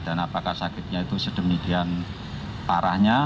dan apakah sakitnya itu sedemikian parahnya